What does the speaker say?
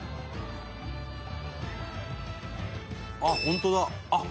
あっ本当だ！